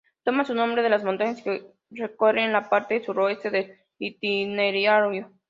Toma su nombre de las montañas que recorre en la parte suroeste del itinerario.